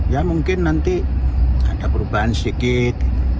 ya mungkin nanti ada perubahan sedikit